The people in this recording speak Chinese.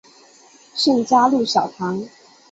圣嘉禄小堂。